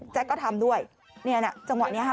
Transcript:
ก็ทำด้วยเนี่ยนะจังหวะนี้ค่ะ